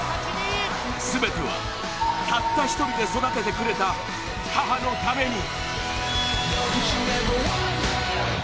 全ては、たった一人で育ててくれた母のために。